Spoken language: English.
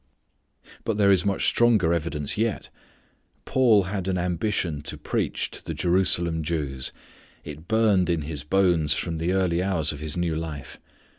But there is much stronger evidence yet. Paul had an ambition to preach to the Jerusalem Jews. It burned in his bones from the early hours of his new life.